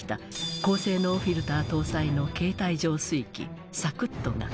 「高性能フィルター搭載の携帯浄水器ＳＡＫＵＴＴＯが」